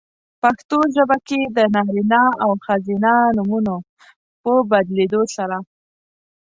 پښتو ژبه کې د نارینه او ښځینه نومونو په بدلېدو سره؛